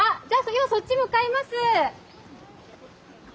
今そっち向かいます。